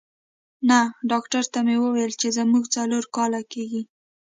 نه، ډاکټر ته مې وویل چې زموږ څلور کاله کېږي.